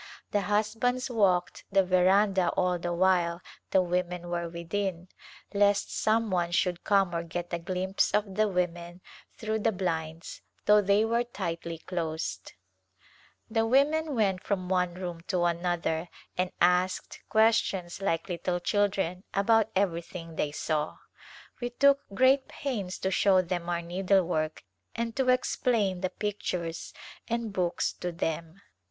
The husbands walked the veranda all the while the women were within lest some one should come or get a glimpse of the women throueh the blinds, though they were tightly closed. ' First Hot Season The women went from one room to another and asked questions like little children about everything they saw. We took great pains to show them our needlework and to explain the pictures and books to them.